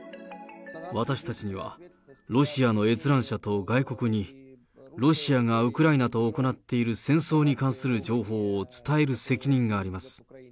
私たちには、ロシアの閲覧者と外国にロシアがウクライナと行っている戦争に関する情報を伝える責任があります。